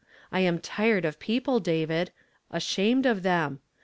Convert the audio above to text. I am tired of people, David, — ashamed of them.